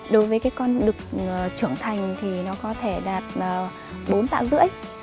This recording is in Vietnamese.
đối với cái con đực trưởng thành thì nó có thể đạt bốn tạ rưỡi